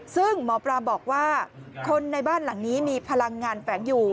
ซึ่งหมอปลาบอกว่าคนในบ้านหลังนี้มีพลังงานแฝงอยู่